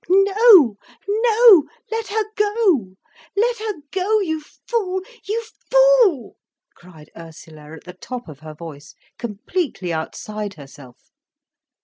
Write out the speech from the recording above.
"No—! No—! Let her go! Let her go, you fool, you fool—!" cried Ursula at the top of her voice, completely outside herself.